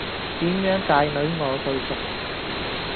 點樣界女我最熟